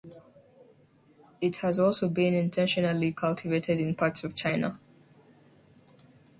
It has also been intentionally cultivated in parts of China.